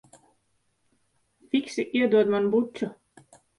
Fiksi iedod man buču.